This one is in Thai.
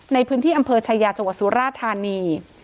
ในพื้นที่อำเภอชายาจังหวัดสุราธานี